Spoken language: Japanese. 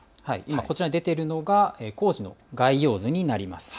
こちらに出ているのが工事の概要図になります。